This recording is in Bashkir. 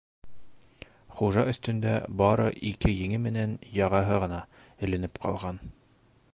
Хужа өҫтөндә бары ике еңе менән яғаһы ғына эленеп ҡалған.